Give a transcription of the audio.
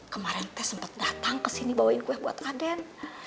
kemaren teh sempet datang kesini bawain kue buat aden